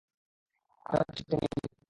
আপনি হয়তো ছবিটি নিউজে দেখে থাকবেন।